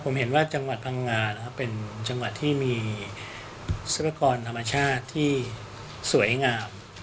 ผมเห็นว่าจังหวัดพังงานะครับเป็นจังหวัดที่มีทรัพยากรธรรมชาติที่สวยงาม